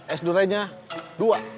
es duriannya dua